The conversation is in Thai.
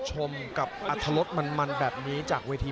ชมกับอัตรรสมันแบบนี้จากเวที